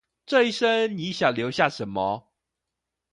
這一生你想留下什麼？